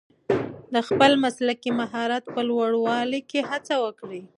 د خپل مسلکي مهارت په لوړولو کې هڅه وکړئ.